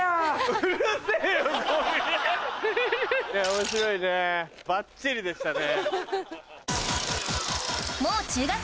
面白いねバッチリでしたね。